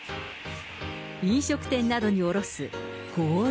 飲食店などに卸す氷。